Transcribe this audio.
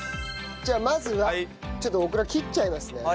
じゃあまずはちょっとオクラ切っちゃいますね。